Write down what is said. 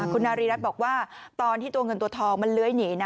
คุณนารีรัฐบอกว่าตอนที่ตัวเงินตัวทองมันเลื้อยหนีนะ